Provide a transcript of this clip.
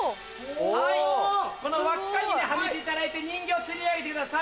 はいこの輪っかにはめていただいて人形つり上げてください。